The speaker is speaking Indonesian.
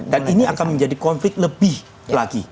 dan ini akan menjadi konflik lebih lagi